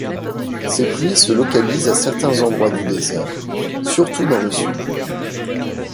Ces pluies se localisent à certains endroits du désert, surtout dans le Sud.